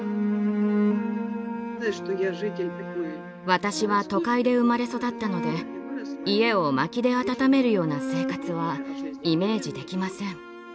私は都会で生まれ育ったので家を薪で暖めるような生活はイメージできません。